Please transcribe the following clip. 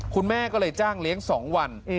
คุณแม่ก็เลยจ้างเลี้ยง๒วัน